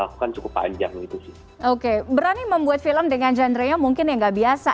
lakukan cukup panjang gitu oke berani membuat film dengan genrenya mungkin yang nggak biasa